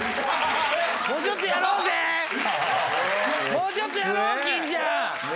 もうちょっとやろう金ちゃん！